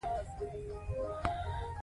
موږ د سولې او ورورولۍ بیرغ لېږدوو.